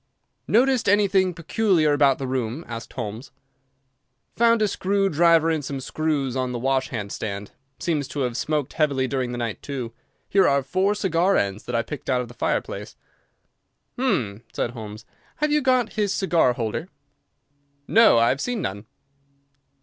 "Noticed anything peculiar about the room?" asked Holmes. "Found a screw driver and some screws on the wash hand stand. Seems to have smoked heavily during the night, too. Here are four cigar ends that I picked out of the fireplace." "Hum!" said Holmes, "have you got his cigar holder?" "No, I have seen none."